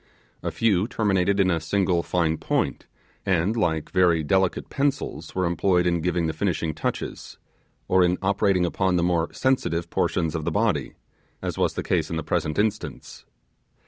A few terminated in a single fine point, and, like very delicate pencils, were employed in giving the finishing touches, or in operating upon the more sensitive portions of the body, as was the case in the present instance.